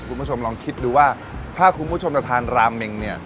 คุณผู้ชมลองคิดดูว่าถ้าคุณผู้ชมจะทานราเมงเนี่ย